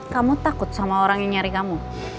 kamu takut sama orang yang nyari kamu